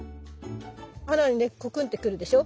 花にねコクンって来るでしょ。